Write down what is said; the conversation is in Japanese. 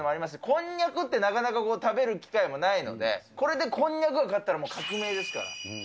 こんにゃくってなかなか食べる機会もないので、これでこんにゃくが勝ったら革命ですから。